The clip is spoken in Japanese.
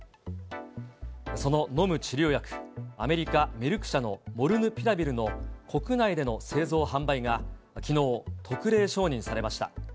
その飲む治療薬、アメリカ、メルク社のモルヌピラビルの国内での製造販売がきのう、特例承認されました。